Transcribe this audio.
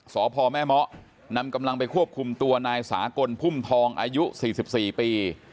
สพแม่เมาะนำกำลังไปควบคุมตัวนายสากลพุ่มทองอายุ๔๔ปี